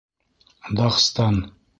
Дағстан